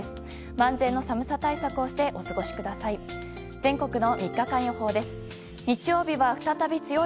万全の寒さ対策をしてお過ごしください。